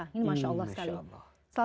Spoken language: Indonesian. ini masya allah sekali